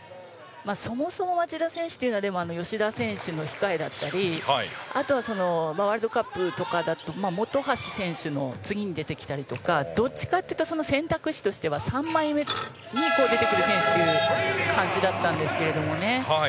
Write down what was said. そもそも町田選手というのは吉田選手の控えだったりあとは、ワールドカップとかだと本橋選手の次に出てきたりとかどっちかというと選択肢としては３枚目に出てくる選手という感じだったんですけれどもね。